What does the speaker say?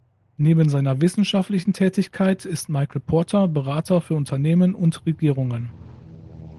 Neben seiner wissenschaftlichen Tätigkeit ist Michael Porter Berater für Unternehmen und Regierungen.